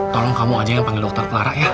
tolong kamu aja yang panggil dokter clara ya